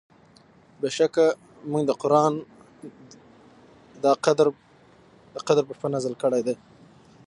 بېشکه مونږ دا قرآن د قدر په شپه نازل کړی دی